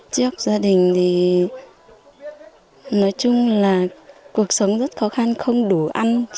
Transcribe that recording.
trước gia đình thì nói chung là cuộc sống rất khó khăn không đủ ăn